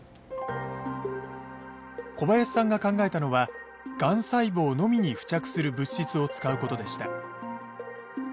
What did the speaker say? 小林さんが考えたのはがん細胞のみに付着する物質を使うことでした。